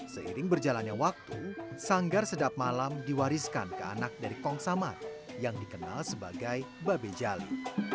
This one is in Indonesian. seiring berjalannya waktu sanggar sedap malam diwariskan ke anak dari kong samar yang dikenal sebagai babe jali